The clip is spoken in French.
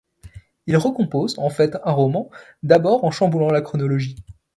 Il recompose, en fait un roman, d'abord en chamboulant la chronologie.